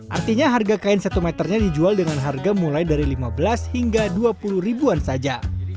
artinya harga kain satu meternya dijual dengan harga mulai dari lima belas hingga dua puluh ribuan saja